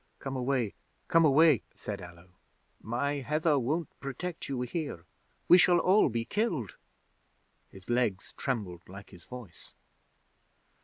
'"Come away! come away!" said Allo. "My Heather won't protect you here. We shall all be killed!" His legs trembled like his voice.